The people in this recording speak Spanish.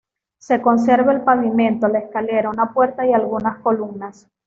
Se conserva el pavimento, la escalera, una puerta y algunas columnas.